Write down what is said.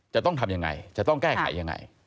จะต้องทำยังไงจะต้องแก้ไขยังไง